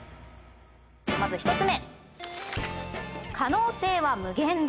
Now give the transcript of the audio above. まず１つ目。